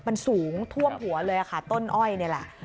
มันสูงท่วมหัวเลยค่ะต้นอ้อยนี่แหละ